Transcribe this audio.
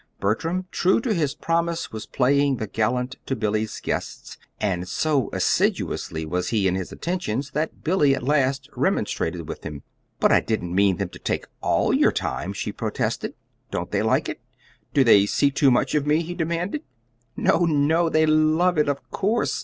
Bertram, true to his promise, was playing the gallant to Billy's guests; and so assiduous was he in his attentions that Billy at last remonstrated with him. "But I didn't mean them to take ALL your time," she protested. "Don't they like it? Do they see too much of me?" he demanded. "No, no! They love it, of course.